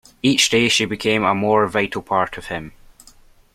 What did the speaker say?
Each day she became a more vital part of him.